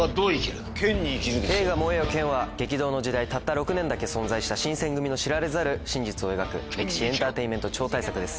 激動の時代たった６年存在した新選組の知られざる真実を描く歴史エンターテインメント超大作です。